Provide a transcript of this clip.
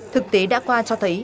thực tế đã qua cho thấy